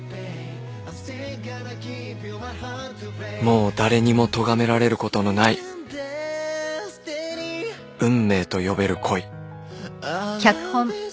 もう誰にもとがめられることのない運命と呼べる恋